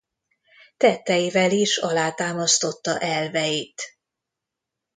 Tetteivel is alátámasztotta elveit.